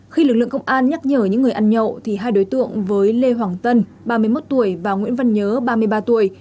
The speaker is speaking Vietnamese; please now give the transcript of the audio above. khi lực lượng công an nhắc nhở những người ăn nhậu thì hai đối tượng với lê hoàng tân ba mươi một tuổi và nguyễn văn nhớ ba mươi ba tuổi